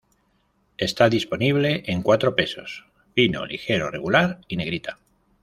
Está disponible en cuatro pesos: fino, ligero, regular y negrita.